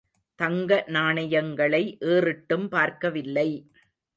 தங்க நாணயங்களை ஏறிட்டும் பார்க்கவில்லை!